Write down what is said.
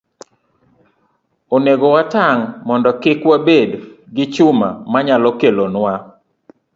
Onego watang' mondo kik wabed gi chuma manyalo kelonwa